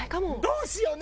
「どうしよう？